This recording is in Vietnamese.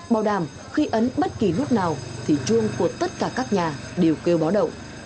bảo đảm khi ấn bất kỳ lúc nào thì chuông của tất cả các nhà đều kêu báo động